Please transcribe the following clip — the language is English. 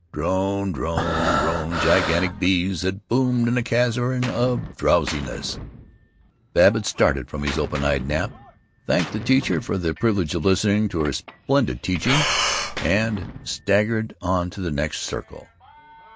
Drone drone drone gigantic bees that boomed in a cavern of drowsiness Babbitt started from his open eyed nap, thanked the teacher for "the privilege of listening to her splendid teaching," and staggered on to the next circle.